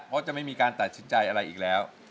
เพราะจะไม่มีการตัดสินใจอะไรอีกแล้ว